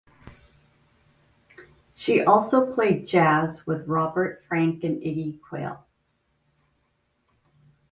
She also played jazz with Robert Frank and Iggy Quail.